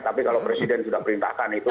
tapi kalau presiden sudah perintahkan itu